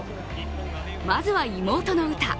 まずは妹の詩。